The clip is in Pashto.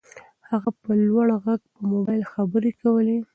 هغه په لوړ غږ په موبایل کې خبرې کولې.